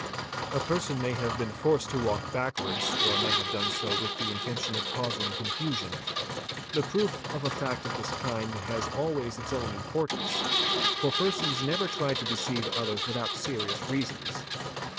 A person may have been forced to walk backwards, or may have done so with the intention of causing confusion. The proof of a fact of this kind has always its own importance, for persons never try to deceive others without serious reasons.